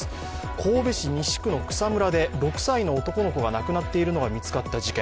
神戸市西区の草むらで６歳の男の子が亡くなっているのが見つかった事件。